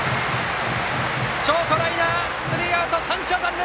ショートライナースリーアウト、３者残塁！